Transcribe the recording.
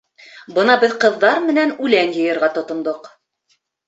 Бына беҙ ҡыҙҙар менән үлән йыйырға тотондоҡ.